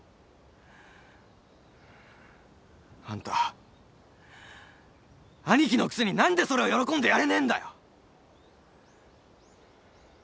あんたアニキのくせに何でそれを喜んでやれねえんだよ！